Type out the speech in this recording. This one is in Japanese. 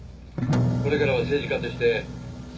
これからは政治家として。